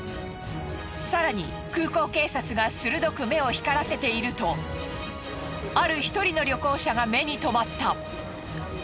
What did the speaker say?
更に空港警察が鋭く目を光らせているとある一人の旅行者が目に留まった。